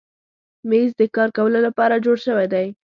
مېز د کار کولو لپاره جوړ شوی.